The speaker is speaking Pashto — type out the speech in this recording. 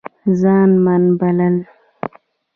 ځان من بلل